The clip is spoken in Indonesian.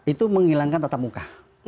itu menghilangkan tata muka